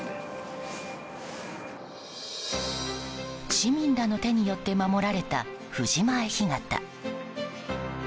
市民らの手によって守られた藤前干潟。